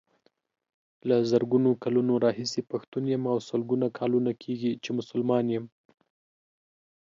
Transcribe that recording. له زرګونو کلونو راهيسې پښتون يم او سلګونو کاله کيږي چې مسلمان يم.